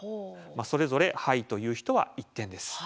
それぞれ「はい」という人は１点です。